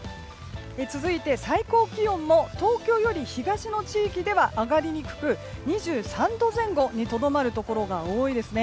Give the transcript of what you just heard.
続いて最高気温も東京より東の地域では上がりにくく、２３度前後にとどまるところが多いですね。